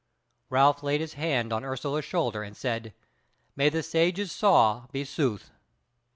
Ralph laid his hand on Ursula's shoulder and said: "May the Sage's saw be sooth!"